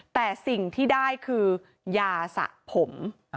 แต่สิ่งที่ได้คือยาสะผม